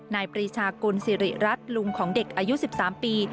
ปรีชากุลสิริรัตน์ลุงของเด็กอายุ๑๓ปี